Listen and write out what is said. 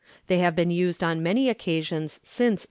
They have been used on many occasions since 1883.